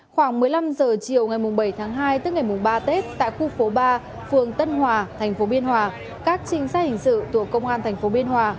khoảng một mươi năm h chiều ngày bảy tháng hai tức ngày ba tết tại khu phố ba phường tân hòa thành phố biên hòa các trinh sát hình sự thuộc công an tp biên hòa